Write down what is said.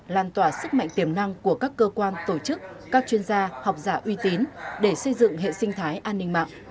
làn tỏa sức mạnh tiềm năng của các cơ quan tổ chức các chuyên gia học giả uy tín để xây dựng hệ sinh thái an ninh mạng